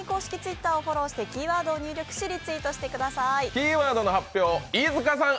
キーワードの発表、飯塚さん